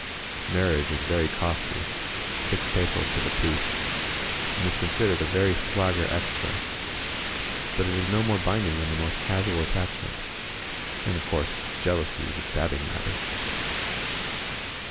Marriage is very costly (six pesos to the priest), and is considered a very swagger extra ; but it is no more binding than the most casual attachment. And of course jealousy is a stabbing matter.